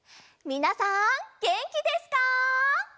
みなさんげんきですか？